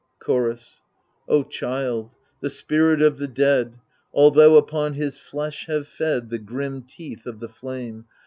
Chorus O child, the spirit of the dead, Altho' upon his flesh have fed The grim teeth of the flame.